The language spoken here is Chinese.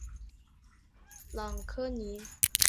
朗科尼。